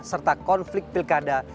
serta konflik pilkada